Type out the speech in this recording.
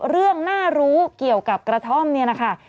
เรื่องน่ารู้เกี่ยวกับกระท่อมเนี่ยนะคะ